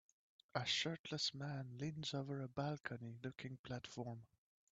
a shirtless man leans over a balcony looking platform.